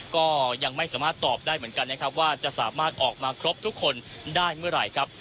ก็ยังไม่สามารถตอบได้เหมือนกันนะครับว่าจะสามารถออกมาครบทุกคนได้เมื่อไหร่ครับ